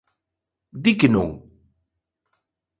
¡Di que non!